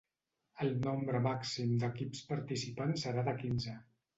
El nombre màxim d’equips participants serà de quinze.